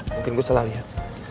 mungkin gue salah liat